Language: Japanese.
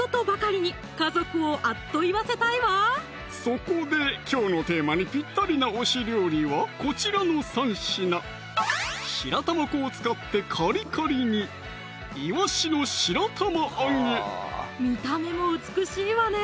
そこできょうのテーマにぴったりな推し料理はこちらの３品白玉粉を使ってカリカリに見た目も美しいわね